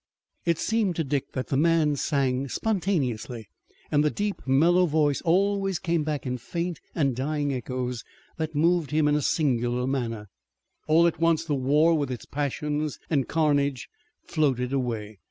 It seemed to Dick that the man sang spontaneously, and the deep, mellow voice always came back in faint and dying echoes that moved him in a singular manner. All at once the war with its passions and carnage floated away.